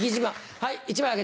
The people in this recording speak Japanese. はい。